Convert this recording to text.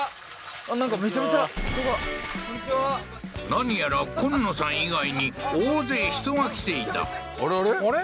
何やら昆野さん以外に大勢人が来ていたあれあれ？